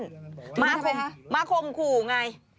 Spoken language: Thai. ที่ไหนแฮะมาค่มขู่กันไง